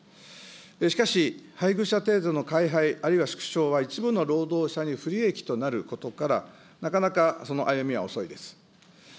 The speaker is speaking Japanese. しかし、配偶者手当の改廃、あるいは縮小は一部の労働者に不利益となることから、なかなかその歩みは遅いです。